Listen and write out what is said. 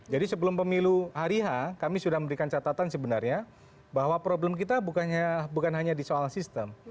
jadi sebelum pemilu hari h kami sudah memberikan catatan sebenarnya bahwa problem kita bukan hanya di soal sistem